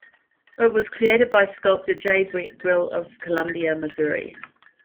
It was created by sculptor J. Brett Grill of Columbia, Mo.